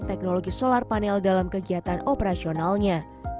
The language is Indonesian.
teknologi solar panel dalam kegiatan operasionalnya